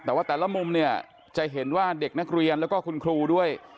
แต่ว่าแต่ละมุมเนี่ยจะเห็นว่าเด็กนักเรียนแล้วก็คุณครูด้วย